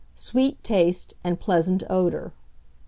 Sweet taste and pleasant odour.